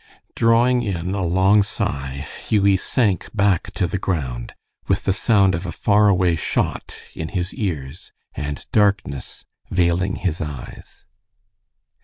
Drawing a long sigh, Hughie sank back to the ground, with the sound of a far away shot in his ears, and darkness veiling his eyes.